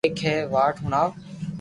ايڪ ھي وات ھڻاو